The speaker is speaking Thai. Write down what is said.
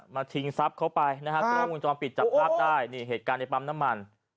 ชิงทรัพย์เขาไปนะฮะกล้องวงจรปิดจับภาพได้นี่เหตุการณ์ในปั๊มน้ำมัน